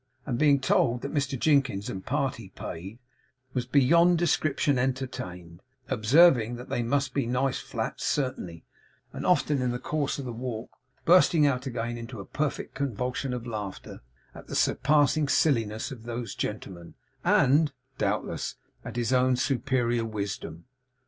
and being told that Mr Jinkins and party paid, was beyond description entertained, observing that 'they must be nice flats, certainly;' and often in the course of the walk, bursting out again into a perfect convulsion of laughter at the surpassing silliness of those gentlemen, and (doubtless) at his own superior wisdom.